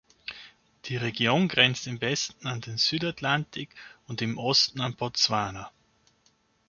Die Region grenzt im Westen an den Südatlantik und im Osten an Botswana.